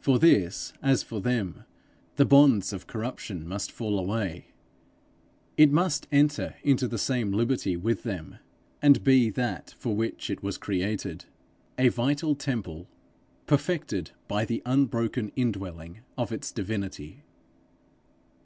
For this as for them, the bonds of corruption must fall away; it must enter into the same liberty with them, and be that for which it was created a vital temple, perfected by the unbroken indwelling of its divinity.